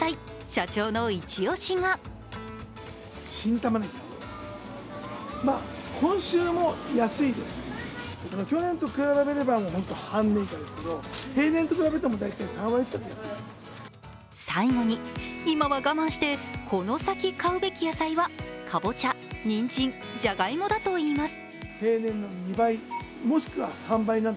社長のイチ押しが最後に今は我慢して、この先買うべき野菜は、かぼちゃ、にんじん、じゃがいもだといいます。